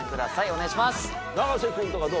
お願いします。